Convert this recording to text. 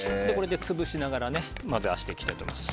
潰しながら混ぜ合わせていきたいと思います。